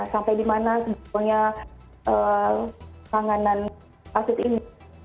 sampai di mana sebetulnya penanganan kasus ini